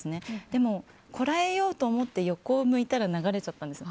でもこらえようと思って横を向いたら流れちゃったんです。